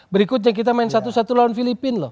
berikutnya kita main satu satu lawan filipina loh